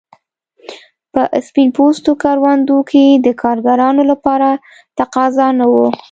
په سپین پوستو کروندو کې د کارګرانو لپاره تقاضا نه وه.